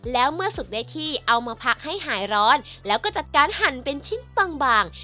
แล้วเมื่อสุกได้ที่เอามาพักให้หายร้อนแล้วก็จัดการหั่นเป็นชิ้นบาง